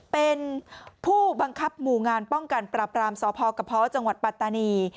เป็นผู้บังคับหมู่งานป้องกันปราบรามสพกระเพาะจังหวัดปัตตานี